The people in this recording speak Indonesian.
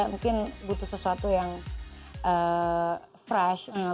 mungkin butuh sesuatu yang fresh